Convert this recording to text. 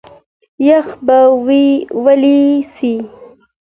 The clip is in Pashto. یخ به ویلي سي.